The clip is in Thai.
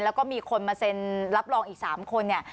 แล้วก็มีคนมาเซ็นรับรองอีก๓คนเนี่ย